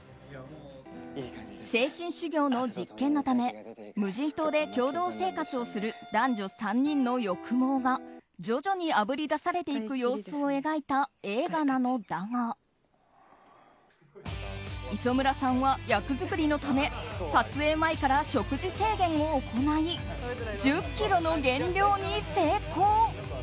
精神修行の実験のため無人島で共同生活をする男女３人の欲望が徐々にあぶり出されていく映画なのだが磯村さんは役作りのため撮影前から食事制限を行い１０ｋｇの減量に成功。